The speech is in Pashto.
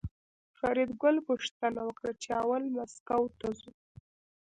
فریدګل پوښتنه وکړه چې اول مسکو ته ځو